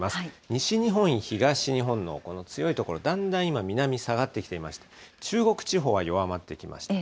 西日本、東日本のこの強い所、だんだん今、南に下がってきていまして、中国地方は弱まってきました。